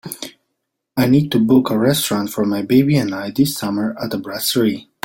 I need to book a restaurant for my baby and I this summer at a brasserie